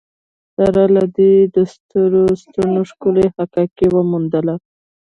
سره له دې یې د سترو ستنو ښکلې حکاکي وموندله.